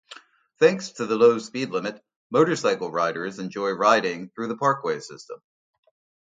Thanks to the low speed limit, motorcycle riders enjoy riding through the parkway system.